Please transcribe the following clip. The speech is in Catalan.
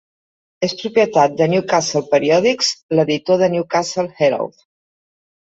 És propietat de Newcastle periòdics, l'editor del Newcastle Herald.